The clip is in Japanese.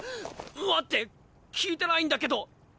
待って聞いてないんだけど！